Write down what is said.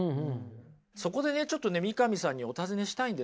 そこでねちょっとね三上さんにお尋ねしたいんですけど。